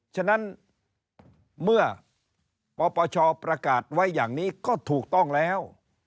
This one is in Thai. ฉะนั้นเมื่อปปชประกาศไว้อย่างนี้ก็ถูกต้องแล้ว